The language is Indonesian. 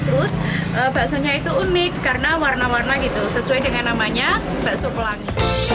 terus baksonya itu unik karena warna warna gitu sesuai dengan namanya bakso pelangi